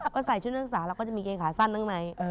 พอใส่ชุดนักศึกษาเราก็จะมีเกงขาสั้นข้างใน